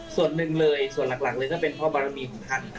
ส่วนหนึ่งเลยส่วนหลักเลยก็เป็นพ่อบารมีของท่าน